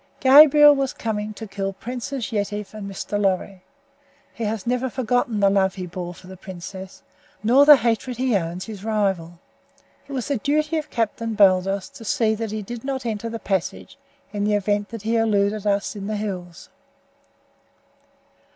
Gabriel was coming to kill the Princess Yetive and Mr. Lorry. He has never forgotten the love he bore for the princess, nor the hatred he owes his rival. It was the duty of Captain Baldos to see that he did not enter the passage in the event that he eluded us in the hills."